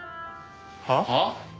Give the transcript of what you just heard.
はっ？